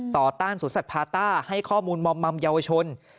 ต้านสวนสัตว์พาต้าให้ข้อมูลมอมมัมเยาวชน